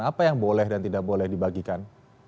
apa yang boleh dan tidak boleh dibagikan